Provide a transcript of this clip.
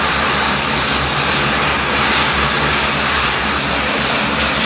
สุดท้ายสุดท้ายสุดท้าย